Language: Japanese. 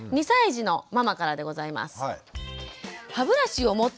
２歳児のママからでございます。